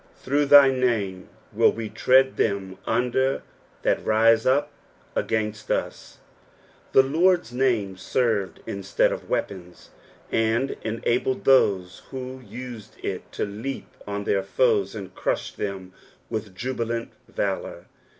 "Through thy name will we tread thtm under that rite up ogaitiH ut.*' The Lord's name served instead of weapons, and enabled those who need it to leap OD their foes and crush them with jabilant valour.